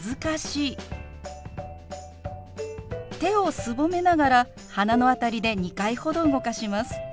手をすぼめながら鼻の辺りで２回ほど動かします。